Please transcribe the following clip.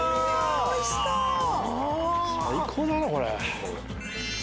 最高だなこれ。